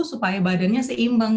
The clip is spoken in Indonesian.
supaya badannya seimbang